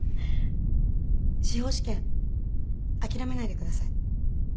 司法試験諦めないでください。